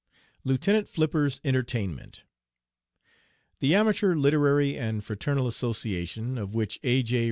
LIEUTENANT FLIPPER'S ENTERTAINMENT. "The Amateur Literary and Fraternal Association, of which A. J.